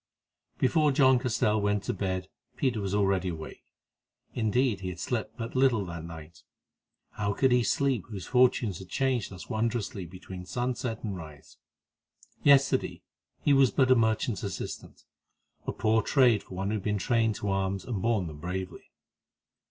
Before John Castell went to bed Peter was already awake—indeed, he had slept but little that night. How could he sleep whose fortunes had changed thus wondrously between sun set and rise? Yesterday he was but a merchant's assistant—a poor trade for one who had been trained to arms, and borne them bravely.